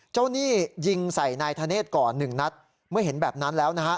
หนี้ยิงใส่นายธเนธก่อนหนึ่งนัดเมื่อเห็นแบบนั้นแล้วนะฮะ